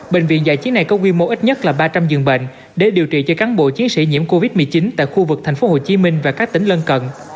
bệnh viện giải chiến này có quy mô ít nhất là ba trăm linh giường bệnh để điều trị cho cán bộ chiến sĩ nhiễm covid một mươi chín tại khu vực tp hcm và các tỉnh lân cận